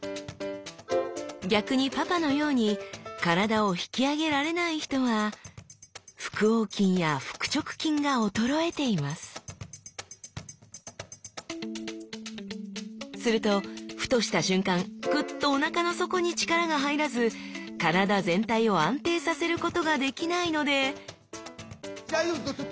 逆にパパのように体を引き上げられない人は腹横筋や腹直筋が衰えていますするとふとした瞬間グッとおなかの底に力が入らず体全体を安定させることができないので大丈夫？